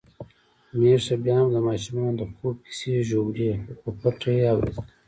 میښه بيا هم د ماشومانو د خوب کیسې ژولي، خو په پټه يې اوريدلې.